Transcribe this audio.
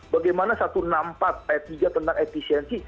bagaimana satu ratus enam puluh empat ayat tiga tentang efisiensi